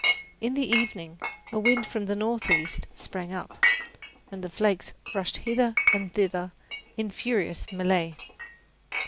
In the evening a wind from the northeast sprang up, and the flakes rushed hither and thither in furious melee.